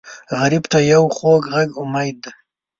غریب ته یو خوږ غږ امید دی